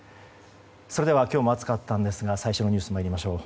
それでは今日も暑かったんですが最初のニュースに参りましょう。